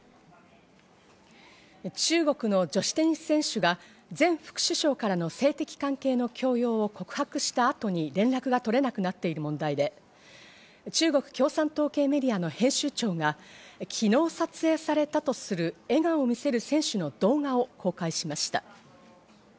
中国の女子テニス選手が前副首相からの性的関係の強要を告白した後に連絡が取れなくなっている問題で中国共産党メディアの編集長が昨日撮影されたとする笑顔を見せる選手の動画を公開しました。